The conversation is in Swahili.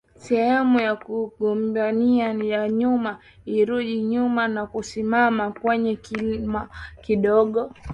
Sehemu ya kombania ya nyuma ilirudi nyuma na kusimama kwenye kilima kidogo